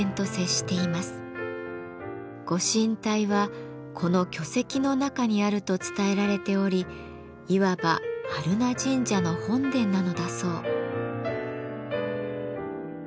ご神体はこの巨石の中にあると伝えられておりいわば榛名神社の本殿なのだそう。